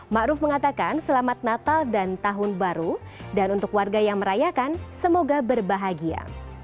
⁇ maruf mengatakan selamat natal dan tahun baru dan untuk warga yang merayakan semoga berbahagia